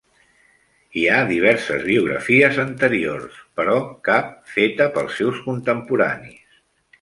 Hi ha diverses biografies anteriors, però cap feta pels seus contemporanis.